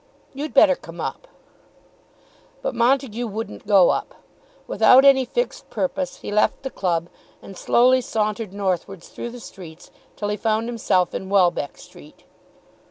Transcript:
You'd better come up." But Montague wouldn't go up. Without any fixed purpose he left the club, and slowly sauntered northwards through the streets till he found himself in Welbeck Street.